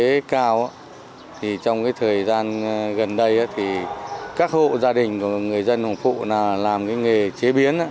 kinh tế cao thì trong cái thời gian gần đây thì các hộ gia đình của người dân hồng phụ làm cái nghề chế biến